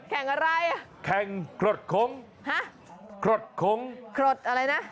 แข่งอะไรอ่ะแข่งกรดคงฮะครดคงครดอะไรนะ